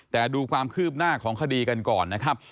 แต่ดูความคืบหน้าของคดีกันก่อนนะครับ